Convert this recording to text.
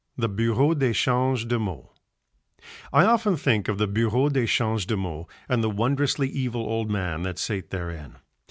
The Bureau d'Echange de Maux I often think of the Bureau d'Echange de Maux and the wondrously evil old man that sate therein.